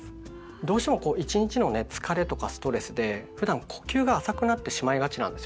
どうしてもこう一日のね疲れとかストレスでふだん呼吸が浅くなってしまいがちなんですよね。